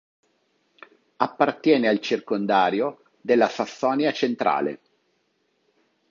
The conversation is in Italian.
Appartiene al circondario della Sassonia Centrale.